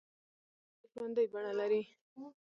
شعرونه یې تل ژوندۍ بڼه لري.